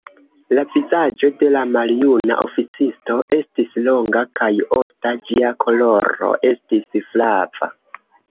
La vizaĝo de la maljuna oficisto estis longa kaj osta, ĝia koloro estis flava.